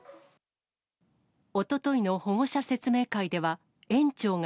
おとといの保護者説明会では、園長が。